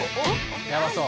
やばそう。